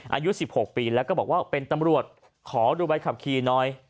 อายุ๑๖ปีแล้วก็บอกว่าเป็นตำรวจขอดูใบขับขี่หน่อย